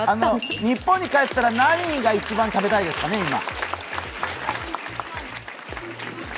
日本に帰ったら何が一番食べたいですかね、今。